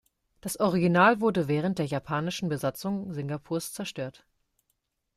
Das Original wurde während der japanischen Besatzung Singapurs zerstört.